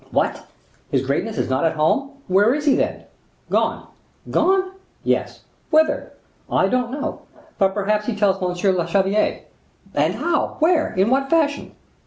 "What! His Greatness is not at home? where is he, then?" "Gone." "Gone?" "Yes." "Whither?" "I don't know; but perhaps he tells monsieur le chevalier." "And how? where? in what fashion?"